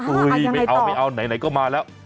อุ้ยไม่เอาไหนก็มาแล้ว